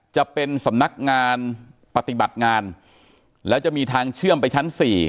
จะเป็นสำนักงานปฏิบัติงานแล้วจะมีทางเชื่อมไปชั้น๔